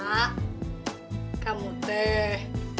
mak kamu teh